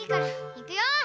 いくよ！